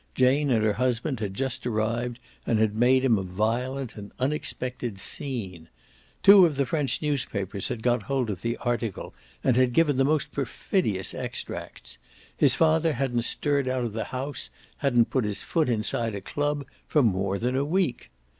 Jane and her husband had just arrived and had made him a violent, an unexpected scene. Two of the French newspapers had got hold of the article and had given the most perfidious extracts. His father hadn't stirred out of the house, hadn't put his foot inside a club, for more than a week.